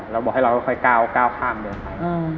เราบอกให้เราค่อยก้าวข้ามเดินไป